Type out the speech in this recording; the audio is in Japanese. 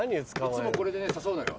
いつもこれで誘うのよ